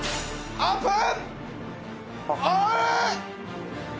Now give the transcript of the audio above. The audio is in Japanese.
オープン！